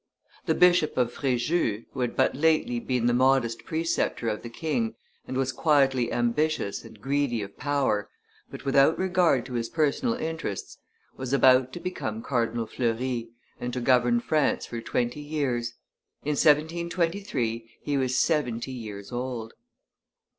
The Bishop of Frejus, who had but lately been the modest preceptor of the king, and was quietly ambitious and greedy of power, but without regard to his personal interests, was about to become Cardinal Fleury, and to govern France for twenty years; in 1723 he was seventy years old.